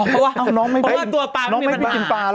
เพราะว่าตัวปลาไม่มีปัญหา